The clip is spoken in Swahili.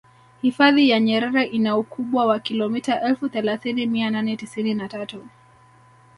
hifadhi ya nyerere ina ukubwa wa kilomita elfu thelathini mia nane tisini na tatu